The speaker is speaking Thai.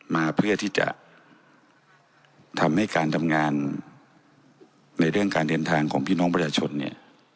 มาเพื่อที่จะทำให้การทำงานในเรื่องการเดินทางของพี่น้องประชาชนเนี่ย